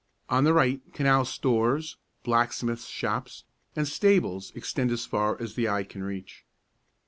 On the right, canal stores, blacksmith's shops, and stables extend as far as the eye can reach.